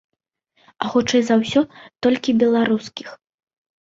А хутчэй за ўсё, толькі беларускіх.